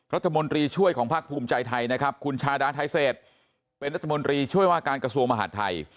รัฐมนตรีช่วยของภาคภูมิใจไทยนะครับคุณชาดาไทเศษเป็นรัฐมนตรีช่วยว่าการกระทรวงมหาดไทย